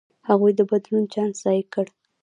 هغوی د بدلون چانس ضایع کړ.